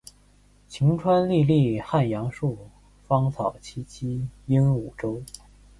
晴川历历汉阳树，芳草萋萋鹦鹉洲。